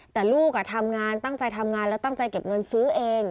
แต่ลูกทำงานตั้งใจทำงานแล้วตั้งใจเก็บเงินซื้อเอง